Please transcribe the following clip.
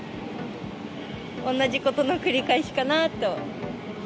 同じことの繰り返しかなと。